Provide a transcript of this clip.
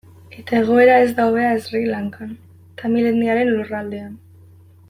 Eta egoera ez da hobea Sri Lankan, tamil etniaren lurraldean.